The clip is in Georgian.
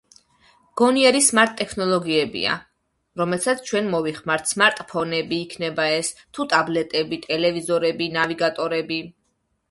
გონიერი, სმარტ-ტექნოლოგიებია, რომელთაც ჩვენ მოვიხმართ, სმარტ-ფონები იქნება ეს, თუ ტაბლეტები, ტელევიზორები, ნავიგატორები.